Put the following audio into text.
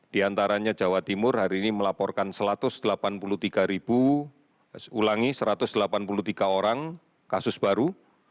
di antaranya jawa timur hari ini melaporkan satu ratus delapan puluh tiga ulangi satu ratus delapan puluh tiga orang kasus baru